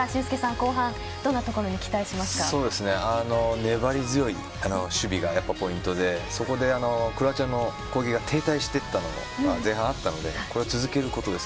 後半粘り強い守備がポイントでそこでクロアチアの攻撃が停滞していったのが前半あったのでこれを続けることです。